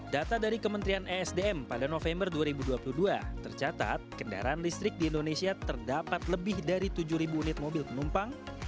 data dari kementerian esdm pada november dua ribu dua puluh dua tercatat kendaraan listrik di indonesia terdapat lebih dari tujuh unit mobil penumpang